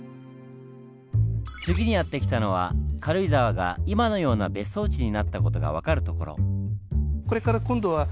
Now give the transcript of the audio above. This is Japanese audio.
次にやって来たのは軽井沢が今のような別荘地になった事が分かる所。